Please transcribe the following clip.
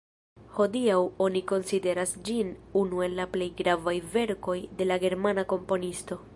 Hodiaŭ oni konsideras ĝin unu el la pli gravaj verkoj de la germana komponisto.